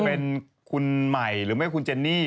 เป็นคุณใหม่หรือไม่คุณเจนนี่